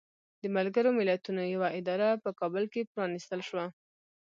د ملګرو ملتونو یوه اداره په کابل کې پرانستل شوه.